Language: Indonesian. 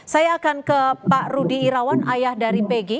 saya akan ke pak rudi irawan ayah dari pg